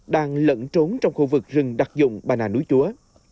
đang lẫn trốn trong khu vực rừng đặc dụng bà nà núi chúa